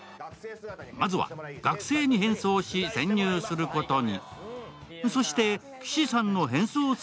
まずは学生に変装し、潜入することに。